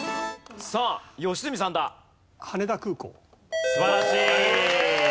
さあ良純さんだ。素晴らしい！